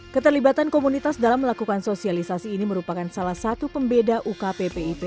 keterlibatan komunitas dalam melakukan sosialisasi ini merupakan salah satu pembeda ukppip